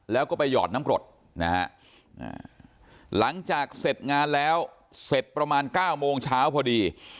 แล้วก็ไปหยอดน้ำกรดนะฮะหลังจากเสร็จงานแล้วเสร็จประมาณ๙โมงเช้าพอดี